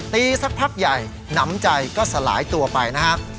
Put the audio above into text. สักพักใหญ่หนำใจก็สลายตัวไปนะครับ